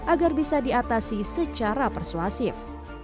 agar bisa diatasi secara persuasif